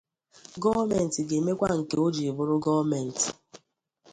gọọmenti ga-emekwa nke o jiri bụrụ gọọmentị.